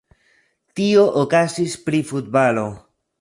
Tio okazis pri futbalo.